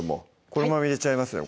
このまま入れちゃいますね